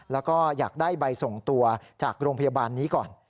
แล้วก็อยากได้ใบส่งตัวจากโรงพยาบาลนี้ก่อน